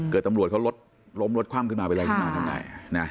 เกิดตำรวจเขาลดลมลดคว่ำขึ้นมาไปแล้วยังงานทำไง